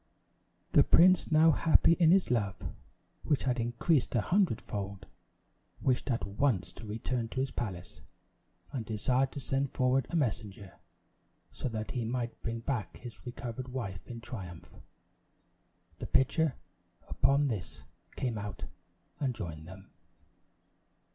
The prince now happy in his love, which had increased a hundred fold, wished at once to return to his palace; and desired to send forward a messenger, so that he might bring back his recovered wife in triumph. The pitcher, upon this, came out and joined them.